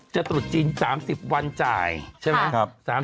ตรุษจีน๓๐วันจ่ายใช่ไหม